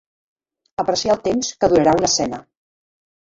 Apreciar el temps que durarà una escena.